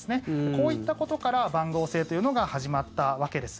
こういったことから番号制というのが始まったわけです。